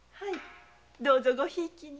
どうぞごひいきに。